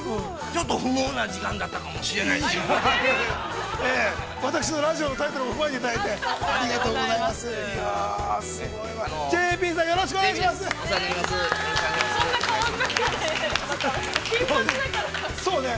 ◆ちょっと不毛な時間だったかもしれないですね。